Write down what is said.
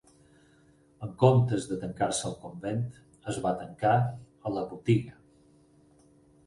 En comptes de tancar-se al convent, es va tancar a la botiga.